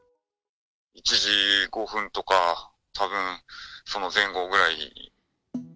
１時５分とか、たぶんその前後ぐらいに。